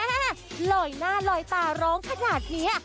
สุดยอดเรื่องเสียงแม่หล่อยหน้าหล่อยตาร้องขนาดนี้